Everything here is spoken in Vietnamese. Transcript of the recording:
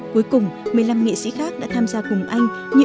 cuối cùng một mươi năm nghệ sĩ khác đã tham gia cùng anh như